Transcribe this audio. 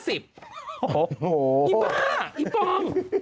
อีบ้าอีปอง